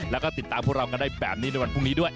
แล้วก็ติดตามพวกเรากันได้แบบนี้ในวันพรุ่งนี้ด้วย